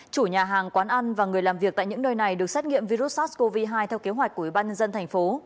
chủ nhà hàng quán ăn và người làm việc tại những nơi này được xét nghiệm virus sars cov hai theo kế hoạch của ủy ban nhân dân thành phố